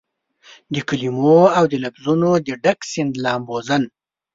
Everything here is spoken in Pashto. دکلمو اودلفظونو دډک سیند لامبوزن